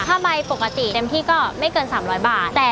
ถ้าใบปกติเต็มที่ก็ไม่เกิน๓๐๐บาท